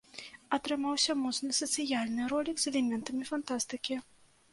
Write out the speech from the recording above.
Атрымаўся моцны сацыяльны ролік з элементамі фантастыкі.